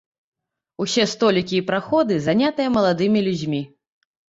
Усе столікі і праходы занятыя маладымі людзьмі.